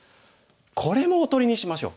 これもおとりにしましょう。